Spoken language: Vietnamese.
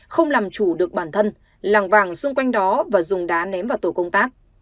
không làm chủ được bản thân làng vàng xung quanh đó và dùng đá ném vào tổ công tác